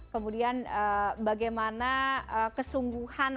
kemudian bagaimana kesungguhan